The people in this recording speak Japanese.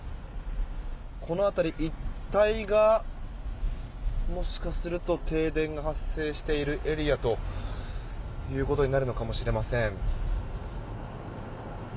この辺り一帯が、もしかすると停電が発生しているエリアということになるのかもしれません。